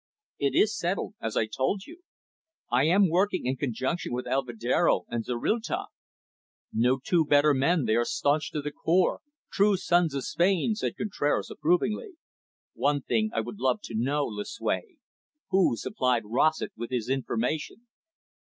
"It is settled, as I told you. I am working in conjunction with Alvedero and Zorrilta." "No two better men, they are staunch to the core, true sons of Spain," said Contraras approvingly. "One thing I would love to know, Lucue. Who supplied Rossett with his information?"